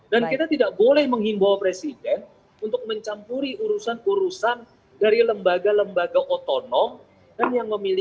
dan kita tidak boleh menghimbau presiden untuk mencampuri urusan urusan dari lembaga lembaga otonom